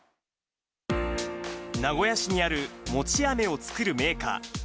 名古屋市にある餅あめを作るメーカー。